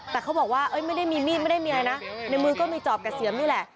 แต่เขาบอกว่าไม่ได้มีมีดไม่ได้มีอะไรนะในมือก็มีจอบกับเสียมนี่แหละ